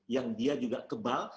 yang dia juga kebal